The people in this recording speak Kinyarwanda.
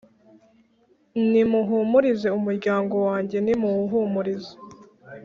Nimuhumurize umuryango wanjye, nimuwuhumurize